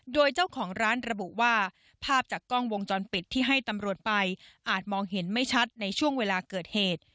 โดยเจ้าของร้านระบุว่าภาพจากกล้องวงจรปิดที่ให้ตำรวจไปอาจมองเห็นไม่ชัดในช่วงเวลาเกิดเหตุ